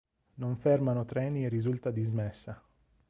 Non fermano treni e risulta dismessa.